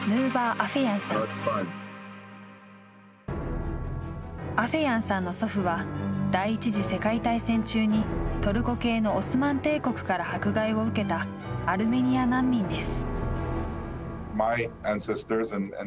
アフェヤンさんの祖父は第１次世界大戦中にトルコ系のオスマン帝国から迫害を受けたアルメニア難民です。